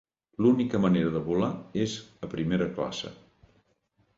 L'única manera de volar és a primera classe.